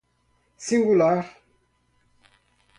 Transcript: singular